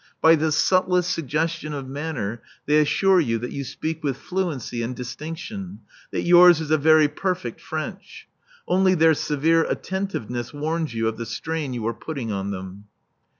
By the subtlest suggestion of manner they assure you that you speak with fluency and distinction, that yours is a very perfect French. Only their severe attentiveness warns you of the strain you are putting on them.